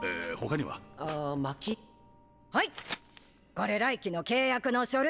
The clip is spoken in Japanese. これ来期の契約の書類。